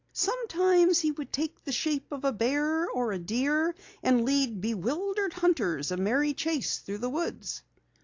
Sometimes he would take the shape of a bear or a deer and lead bewildered hunters a merry chase through the woods."